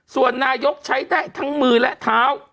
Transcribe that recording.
ส่วนนายกใช้ได้ทั้งมือและเท้า